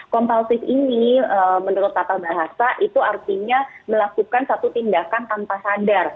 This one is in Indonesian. kompalsis ini menurut tata bahasa itu artinya melakukan satu tindakan tanpa sadar